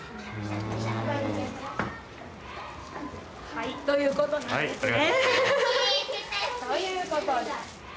はいということなんですね。